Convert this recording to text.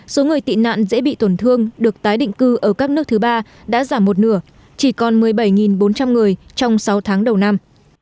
số người tị nạn dễ bị tổn thương được tái định cư ở các nước thứ ba đã giảm một nửa chỉ còn một mươi bảy bốn trăm linh người trong sáu tháng đầu năm